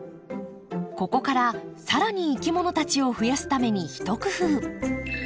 ここから更にいきものたちを増やすために一工夫。